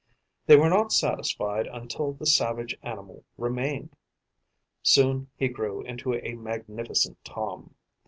They were not satisfied until the savage animal remained. Soon he grew into a magnificent Tom.